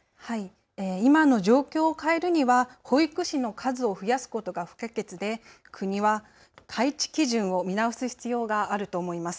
今の状況を変えるには保育士の数を増やすことが不可欠で国は配置基準を見直す必要があると思います。